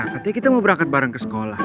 ketika kita mau berangkat bareng ke sekolah